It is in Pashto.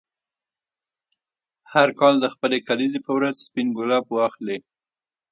هر کال د خپلې کلیزې په ورځ سپین ګلاب واخلې.